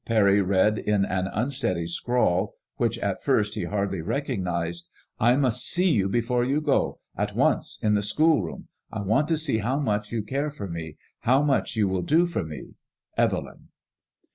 Parry read in an unsteady scrawl, which at first he hardly recognized : ^'I must see you before you go; at once in the schoolroom. I want to see how much you care for me, how much you will do for me. *• EVBLYN."